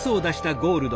ゴールド！